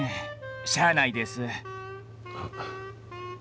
しゃあないです。